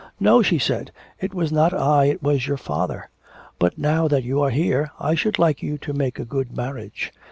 "No," she said, "it was not I, it was your father. But now that you are here I should like you to make a good marriage."